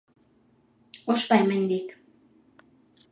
Ospa hemendik!